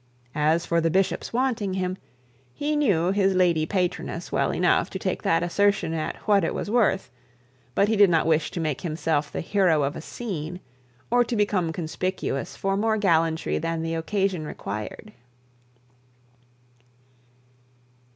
As for the bishop's wanting him, he knew his lady patroness well enough to take that assertion at what it was worth; but he did not wish to make himself the hero of a scene, or to become conspicuous for more gallantry than the occasion required.